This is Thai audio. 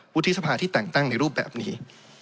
วุฒิสภาที่แต่งตั้งในรูปแบบนี้